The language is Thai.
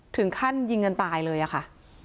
ถึงขั้นยิงกันตายเลยอะค่ะ